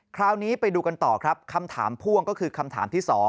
คราวนี้ไปดูกันต่อครับคำถามพ่วงก็คือคำถามที่๒